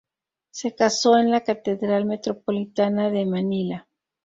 Se casó en la catedral metropolitana de Manila.